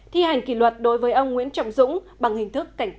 thi hành kỷ luật đối với ông nguyễn trọng dũng bằng hình thức khiển trách